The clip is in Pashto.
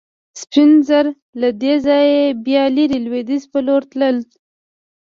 سپین زر له دې ځایه بیا لرې لوېدیځ په لور تلل.